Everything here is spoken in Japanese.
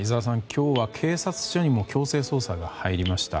今日は警察署にも強制捜査が入りました。